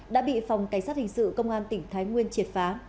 đã bị phòng cảnh sát hình sự công an tỉnh thái nguyên triệt phá